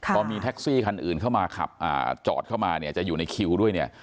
พอมีแท็กซี่คันอื่นเข้ามาขับจอดเข้ามาเนี่ยจะอยู่ในคิวด้วยเนี่ย